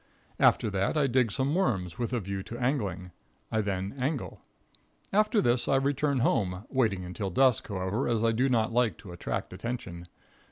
After that I dig some worms, with a view to angling. I then angle. After this I return home, waiting until dusk, however, as I do not like to attract attention.